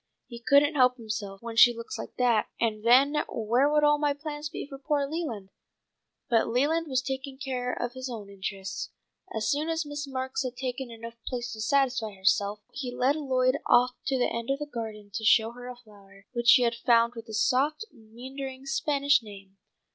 He couldn't help himself when she looks like that, and then where would all my plans be for poor Leland?" But Leland was taking care of his own interests. As soon as Miss Marks had taken enough plates to satisfy herself he led Lloyd off to the end of the garden to show her a flower which he had found with a soft meandering Spanish name.